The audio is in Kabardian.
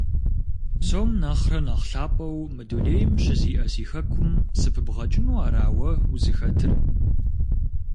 Псом нэхърэ нэхъ лъапӀэу мы дунейм щызиӀэ си хэкум сыпыбгъэкӀыну ара уэ узыхэтыр?